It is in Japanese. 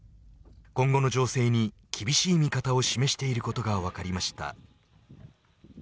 今後の情勢に厳しい見方を示していることが分かりました。